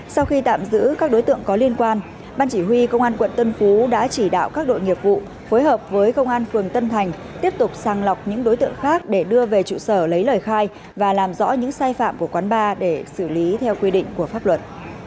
sau khi tạm giữ các đối tượng có liên quan ban chỉ huy công an quận tân phú đã chỉ đạo các đội nghiệp vụ phối hợp với công an phường tân thành tiếp tục sàng lọc những đối tượng khác để đưa về trụ sở lấy lời khai và làm rõ những sai phạm của quán bar để xử lý theo quy định của pháp luật